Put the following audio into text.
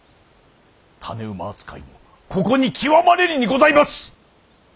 種馬扱いもここに極まれりにございます！